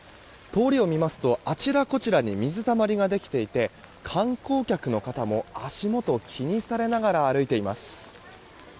通りを見ますとあちらこちらに水たまりができていて観光客の方も足元を気にされながら歩いています。